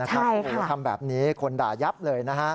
คุณพูดว่าคำแบบนี้คนด่ายับเลยนะครับ